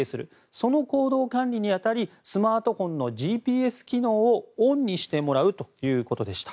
その行動管理に当たりスマートフォンのＧＰＳ機能をオンにしてもらうということでした。